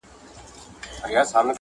چي اکمل داوي د اروپايي